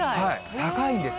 高いんです。